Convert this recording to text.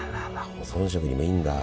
保存食にもいいんだ。